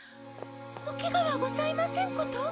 おケガはございませんこと？